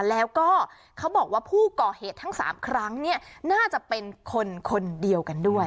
แล้วก็เขาบอกว่าผู้ก่อเหตุทั้งสามครั้งเนี้ย